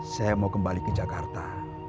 saya mau kembali ke jakarta